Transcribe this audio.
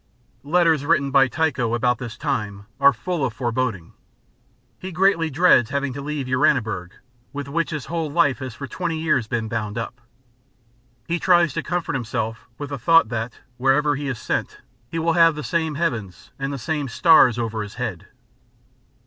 Letters written by Tycho about this time are full of foreboding. He greatly dreads having to leave Uraniburg, with which his whole life has for twenty years been bound up. He tries to comfort himself with the thought that, wherever he is sent, he will have the same heavens and the same stars over his head.